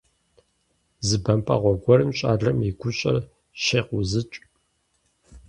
Зы бэмпӀэгъуэ гуэрым щӏалэм и гущӀэр щекъузыкӀ.